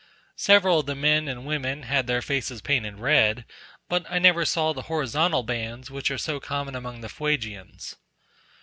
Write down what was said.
Several of the men and women had their faces painted red, but I never saw the horizontal bands which are so common among the Fuegians.